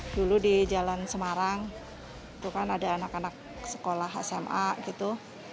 dulu di jalan semarang itu kan ada anak anak sekolah sma gitu